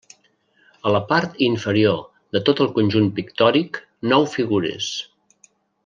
A la part inferior de tot el conjunt pictòric nou figures.